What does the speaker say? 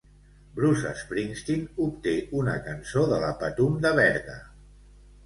Bruce Springsteen obté una cançó de la Patum de Berga.